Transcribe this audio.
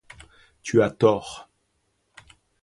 Tu as tort.